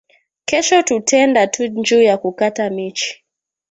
Kesho tutendatu nju ya kukata michi